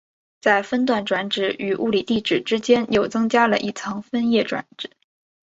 在分段转址与物理地址之间又增加了一层分页转址。